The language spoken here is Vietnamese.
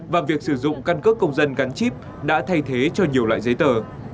và việc sử dụng căn cước công dân gắn chip đã thay thế cho nhiều loại giấy tờ